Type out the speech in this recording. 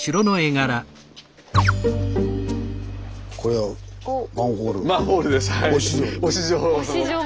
これはマンホール忍城。